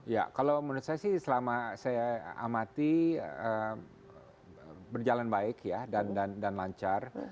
ya kalau menurut saya sih selama saya amati berjalan baik ya dan lancar